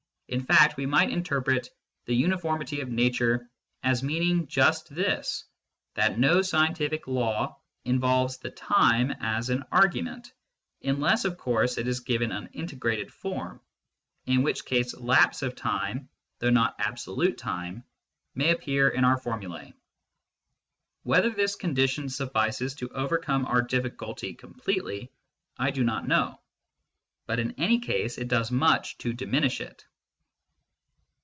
In fact we might interpret the " uni formity of nature " as meaning just this, that no scientific law involves ttie time as an argument, unless, of course, it is given in an integrated form, in which case lapse of time, though not absolute time, may appear in our formulas. Whether this consideration suffices to over come our difficulty completely, I do not know ; but in any case it does much to diminish it.